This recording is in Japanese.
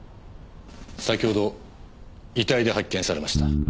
先ほど遺体で発見されました。